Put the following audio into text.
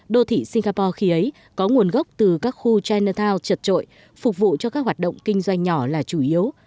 đô thị singapore khi ấy có nguồn gốc từ các khu chinatown trật trội phục vụ cho các hoạt động kinh doanh nhỏ là chủ yếu